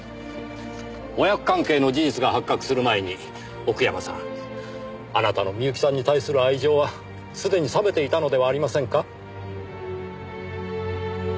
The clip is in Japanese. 親子関係の事実が発覚する前に奥山さんあなたの深雪さんに対する愛情はすでに冷めていたのではありませんか？